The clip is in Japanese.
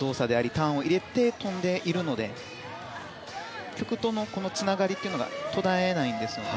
ターンを入れて跳んでいるので曲とのつながりが途絶えないんですよね。